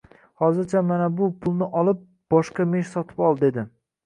Hozircha mana bu pulni olib, boshqa mesh sotib ol, dedi